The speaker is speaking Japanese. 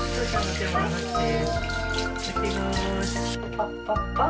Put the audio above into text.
パッパッパッ。